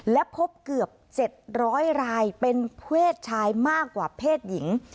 และพบเกือบ๗๐๐รายเป็นเพศชายมากกว่าเพศหญิง